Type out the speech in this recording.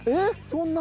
そんな。